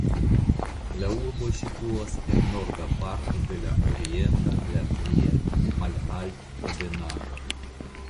La urbo situas en norda parto de la Orienta Latvia malaltebenaĵo.